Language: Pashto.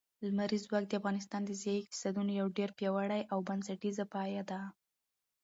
لمریز ځواک د افغانستان د ځایي اقتصادونو یو ډېر پیاوړی او بنسټیز پایایه دی.